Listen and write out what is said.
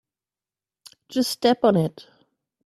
Just step on it.